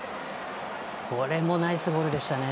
これもナイスゴールでした。